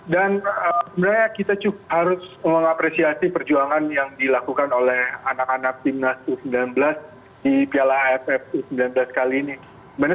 dan sebenarnya kita harus mengapresiasi perjuangan yang dilakukan oleh anak anak timnas u sembilan belas di piala asf u sembilan belas kali ini